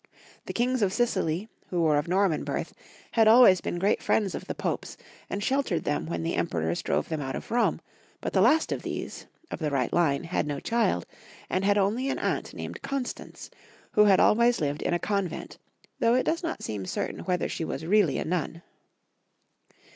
The Kings of Sicily, who were of Norman birth, had always been great friends of the Popes, and sheltered them when the Emperors drove them out of Rome, but the last of these, of Heinrich VI. 146 the right line, had no child, and had only an aunt named Constance, who had always lived in a con vent, though it does not seem certain whether she was really a nun.